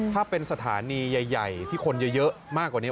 ถ้าเป็นสถานีใหญ่ที่คนเยอะมากกว่านี้